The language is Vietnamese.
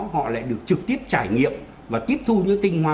họ lại được trực tiếp trải nghiệm và tiếp thu những tinh hoa